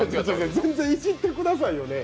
全然いじってくださいよね。